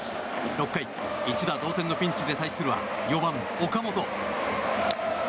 ６回、一打同点のピンチで対するは４番、岡本。